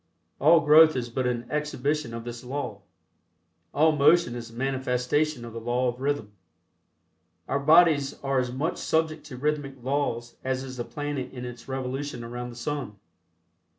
All growth is but an exhibition of this law. All motion is a manifestation of the law of rhythm. Our bodies are as much subject to rhythmic laws as is the planet in its revolution around the sun.